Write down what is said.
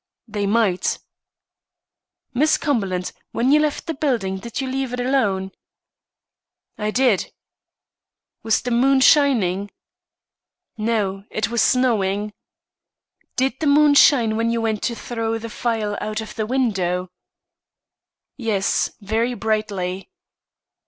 "They might." "Miss Cumberland, when you left the building, did you leave it alone?" "I did." "Was the moon shining?" "No, it was snowing." "Did the moon shine when you went to throw the phial out of the window?" "Yes, very brightly."